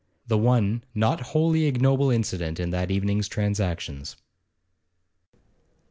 The one not wholly ignoble incident in that evening's transactions.